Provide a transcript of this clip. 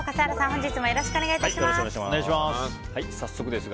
本日もよろしくお願い致します。